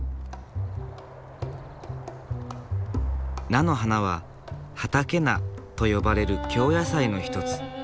菜の花は「畑菜」と呼ばれる京野菜の一つ。